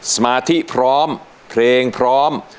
สมาธิพร้อมเพลงพร้อม